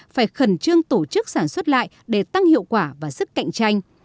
phải khẩn trương tổ chức sản xuất lại để tăng hiệu quả và sức cạnh tranh